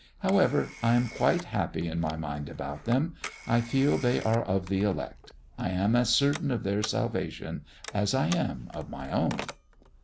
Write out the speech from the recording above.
However, I am quite happy in my mind about them. I feel they are of the elect. I am as certain of their salvation as I am of my own."